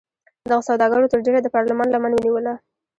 دغو سوداګرو تر ډېره د پارلمان لمن ونیوله.